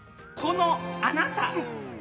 その、あなた！